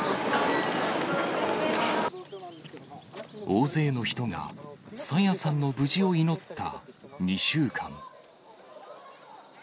大勢の人が朝芽さんの無事を祈った２週間。